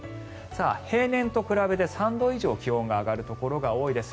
平年と比べて３度以上気温が上がるところが多いです。